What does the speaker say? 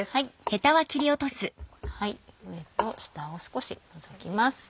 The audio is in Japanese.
上と下を少し除きます。